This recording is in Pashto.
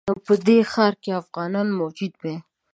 په دې ښار کې افغانان موجود وای.